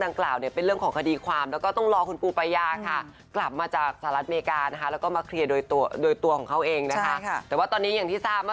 แต่ว่าตอนนี้อย่างที่ทีสาม